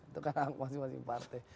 itu kan hak masing masing partai